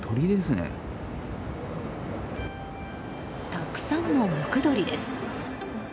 たくさんのムクドリです。